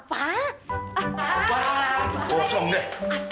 pak kosong deh